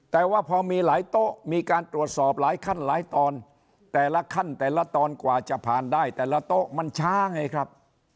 แต่ว่าพอมีหลายโต๊ะมีการตรวจสอบหลายขั้นหลายตอนแต่ละขั้นแต่ละตอนกว่าจะผ่านได้แต่ละโต๊ะมันช้าไงครับ